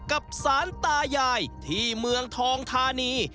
กับสารตายายที่เมืองทองธานี